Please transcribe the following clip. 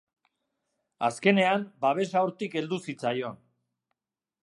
Azkenean, babesa hortik heldu zitzaion.